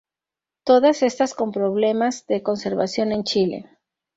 Todas estas con problemas de conservación en Chile.